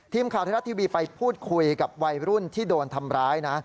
ทีมข่าวไทยรัฐทีวีไปพูดคุยกับวัยรุ่นที่โดนทำร้ายนะ